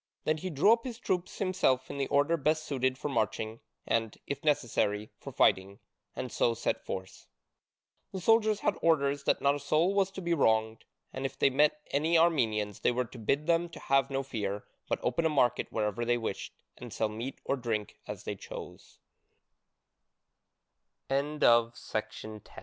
Then he drew up his troops himself in the order best suited for marching, and, if necessary, for fighting, and so set forth. The soldiers had orders that not a soul was to be wronged, and if they met any Armenians they were to bid them to have no fear, but open a market wherever they wished, and se